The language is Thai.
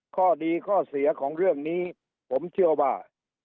ข้อดีข้อเสียของเรื่องนี้ผมเชื่อว่า